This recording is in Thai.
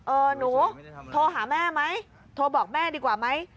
หนูโทรหาแม่ไหมโทรบอกแม่ดีกว่าไหม